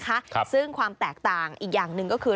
ครับซึ่งความแตกต่างอีกอย่างหนึ่งก็คือ